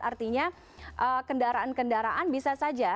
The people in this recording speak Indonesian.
artinya kendaraan kendaraan bisa saja